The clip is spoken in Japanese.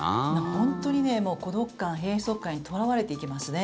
本当に孤独感、閉塞感にとらわれていきますね。